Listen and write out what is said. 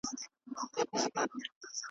ویل خیر کړې درته څه پېښه ده ګرانه .